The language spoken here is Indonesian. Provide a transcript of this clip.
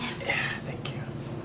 ya terima kasih